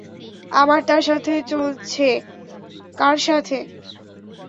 আমার তার সাথে চলছে, কার সাথে?